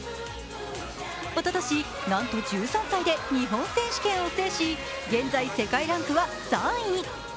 おととし、なんと１３歳で日本選手権を制し現在、世界ランクは３位。